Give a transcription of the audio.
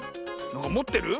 もってる？